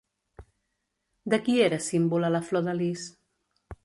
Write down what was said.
De qui era símbol a la flor de lis?